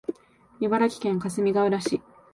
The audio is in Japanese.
茨城県かすみがうら市